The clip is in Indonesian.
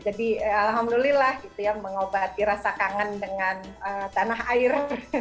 jadi alhamdulillah gitu ya mengobati rasa kangen dengan tanah air